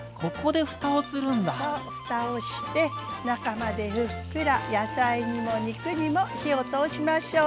そうふたをして中までふっくら野菜にも肉にも火を通しましょう。